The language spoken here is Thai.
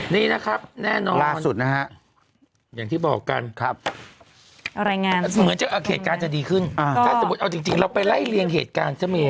นี่นะครับแน่นอนล่าสุดนะฮะอย่างที่บอกกันเหมือนจะเหตุการณ์จะดีขึ้นถ้าสมมุติเอาจริงเราไปไล่เลียงเหตุการณ์ซะเมย